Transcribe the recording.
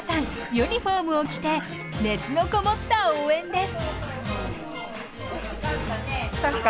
ユニフォームを着て熱のこもった応援です。